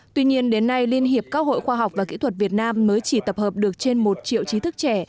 tuy nhiên đến nay liên hiệp các hội khoa học và kỹ thuật việt nam mới chỉ tập hợp được trên một triệu trí thức trẻ